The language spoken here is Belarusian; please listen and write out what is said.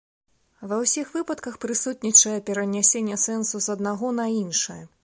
Ва ўсіх выпадках прысутнічае перанясенне сэнсу з аднаго на іншае.